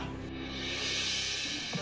gak ada gunanya